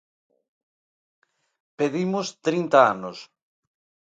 Pedimos trinta anos.